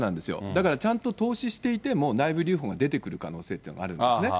だからちゃんと投資していても、内部留保が出てくる可能性っていうのがあるんですね。